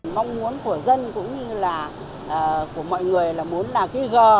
mong muốn của dân cũng như là của mọi người là muốn làm cái gờ